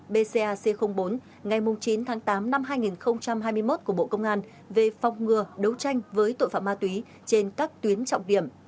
bcac bốn ngày chín tháng tám năm hai nghìn hai mươi một của bộ công an về phong ngừa đấu tranh với tội phạm ma túy trên các tuyến trọng điểm